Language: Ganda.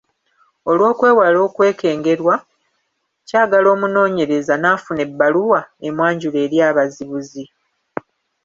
Olw’okwewala okwekengerwa, kyagala omunoonyereza n’afuna ebbaluwa emwanjula eri abazibuzi.